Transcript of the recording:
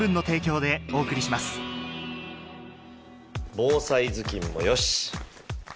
防災頭巾もよし！